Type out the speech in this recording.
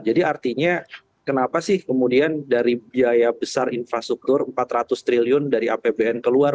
jadi artinya kenapa sih kemudian dari biaya besar infrastruktur empat ratus triliun dari apbn keluar